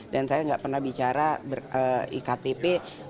dan saya nggak pernah bicara iktp